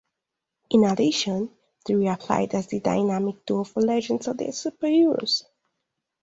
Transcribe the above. In addition, they reappeared as the Dynamic Duo for "Legends of the Superheroes".